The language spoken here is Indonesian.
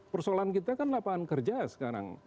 persoalan kita kan lapangan kerja sekarang